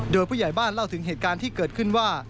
โดยผู้ใหญ่บ้านเล่าถึงเหตุการณ์ที่เกิดขึ้นว่า